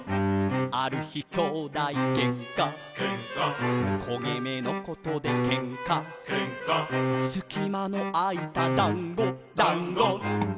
「ある日兄弟げんか」「けんか」「こげ目のことでけんか」「けんか」「すきまのあいただんご」「だんご」